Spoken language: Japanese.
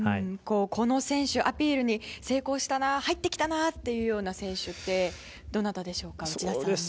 この選手、アピールに成功したな、入ってきたなというような選手ってどなたでしょうか。